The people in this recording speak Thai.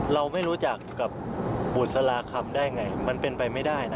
เราไม่รู้จักกับบุษราคำได้ไงมันเป็นไปไม่ได้นะ